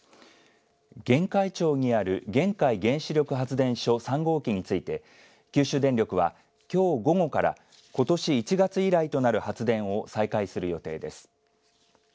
玄海町にある玄海原子力発電所３号機について九州電力はきょう午後からことし１月以来となる発電を再開する予定です。